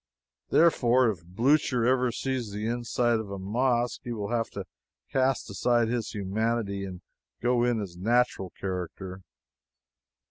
Therefore, if Blucher ever sees the inside of a mosque, he will have to cast aside his humanity and go in his natural character.